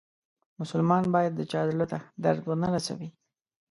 مسلمان باید د چا زړه ته درد و نه روسوي.